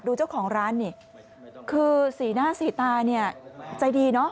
ดูเจ้าของร้านนี่คือสีหน้าสีตาเนี่ยใจดีเนอะ